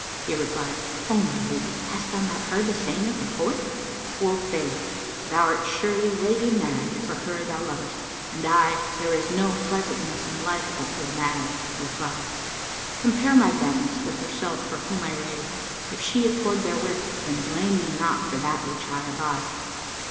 He replied, "O my lady, hast thou not heard the saying of the poet?,[FN#519] 'Quoth they, 'Thou'rt surely raving mad for her thou lov'st;' and I, 'There is no pleasantness in life but for the mad,' reply. Compare my madness with herself for whom I rave; if she Accord therewith, then blame me not for that which I aby.'"